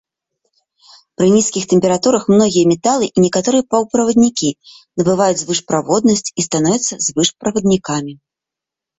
Пры нізкіх тэмпературах многія металы і некаторыя паўправаднікі набываюць звышправоднасць і становяцца звышправаднікамі.